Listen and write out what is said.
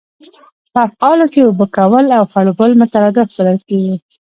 په افعالو کښي اوبه کول او خړوبول مترادف بلل کیږي.